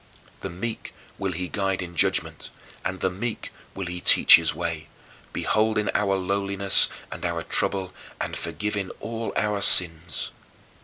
" "The meek will he guide in judgment; and the meek will he teach his way; beholding our lowliness and our trouble and forgiving all our sins."